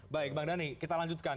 baik bang dhani kita lanjutkan